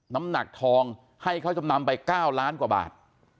น้ำหนักทองให้เขาจำนำไป๙ล้านกว่าบาท